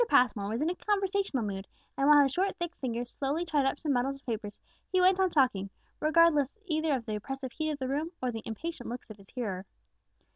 Passmore was in a conversational mood; and while his short, thick fingers slowly tied up some bundles of papers, he went on talking, regardless either of the oppressive heat of the room or the impatient looks of his hearer.